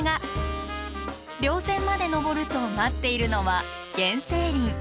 稜線まで登ると待っているのは原生林。